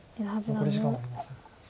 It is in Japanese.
残り時間はありません。